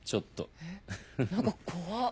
えっ何か怖っ。